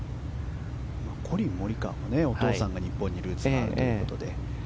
コリン・モリカワのお父さんが日本にルーツがあるということで。